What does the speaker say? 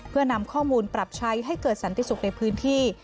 เพื่อนำข้อมูลปรับใช้ให้เกิดสันติสุขในพื้นที่